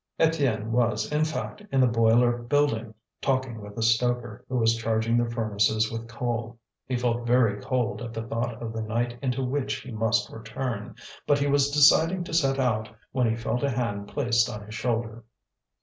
Étienne was, in fact, in the boiler building, talking with a stoker, who was charging the furnaces with coal. He felt very cold at the thought of the night into which he must return. But he was deciding to set out, when he felt a hand placed on his shoulder.